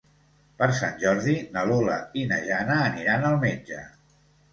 Per Sant Jordi na Lola i na Jana aniran al metge.